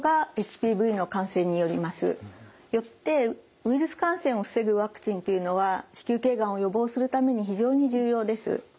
よってウイルス感染を防ぐワクチンというのは子宮頸がんを予防するために非常に重要です。